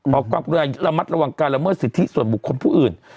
ขอความระมัดระวังการละเมิดสิทธิส่วนบุคคลผู้อื่น